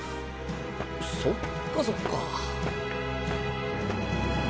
そっかそっか。